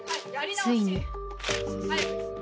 ［ついに］